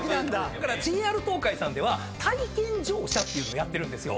だからＪＲ東海さんでは体験乗車をやってるんですよ。